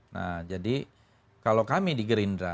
nah jadi kalau kami di gerindra